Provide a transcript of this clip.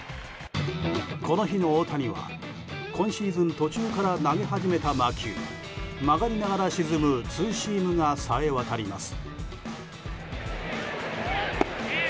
この日の大谷は今シーズン途中から投げ始めた魔球曲がりながら沈むツーシームがさえわたります。